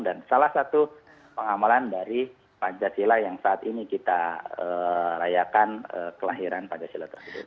dan salah satu pengamalan dari pancasila yang saat ini kita rayakan kelahiran pancasila tersebut